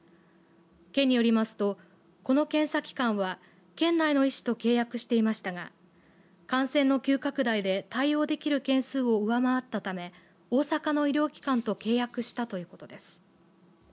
県によりますとこの検査機関は県内の医師と契約していましたが感染の急拡大で対応できる件数を上回ったため大阪の医療機関と契約したということです。